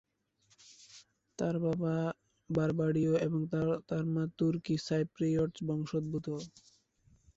তার বাবা বার্বাডীয় এবং তার মা তুর্কি সাইপ্রিয়ট বংশোদ্ভূত।